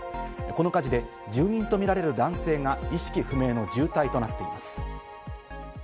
この火事で住民とみられる男性が意識不明の重体となっています。